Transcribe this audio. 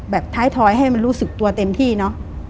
ท้ายถอยให้มันรู้สึกตัวเต็มที่เนอะ